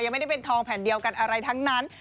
ไม่ได้เป็นทองแผ่นเดียวกันอะไรทั้งนั้น